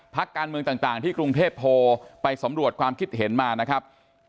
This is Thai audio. พักการเมืองต่างที่กรุงเทพโพลไปสำรวจความคิดเห็นมานะครับ